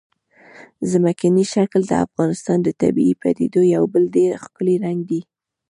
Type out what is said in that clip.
ځمکنی شکل د افغانستان د طبیعي پدیدو یو بل ډېر ښکلی رنګ دی.